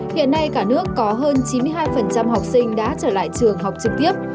hiện nay cả nước có hơn chín mươi hai học sinh đã trở lại trường học trực tiếp